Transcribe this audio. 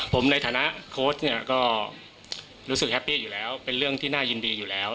ผมในฐานะโค้ชเนี่ยก็รู้สึกแฮปปี้อยู่แล้วเป็นเรื่องที่น่ายินดีอยู่แล้ว